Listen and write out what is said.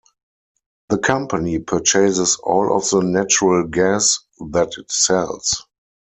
The company purchases all of the natural gas that it sells.